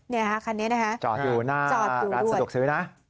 เนี่ยฮะคันนี้นะฮะจอดอยู่หน้ารัฐสะดวกซื้อนะ